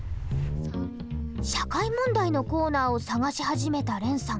社会問題のコーナーを探し始めたれんさん。